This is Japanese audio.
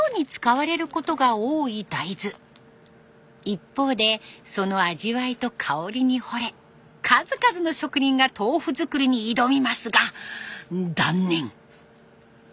一方でその味わいと香りにほれ数々の職人が豆腐作りに挑みますが断念。